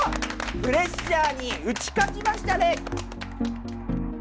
プレッシャーにうち勝ちましたね。